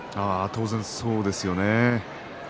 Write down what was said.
当然そうですよね。